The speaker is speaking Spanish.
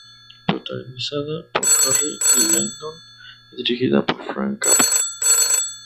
Protagonizada por Harry Langdon y dirigida por Frank Capra.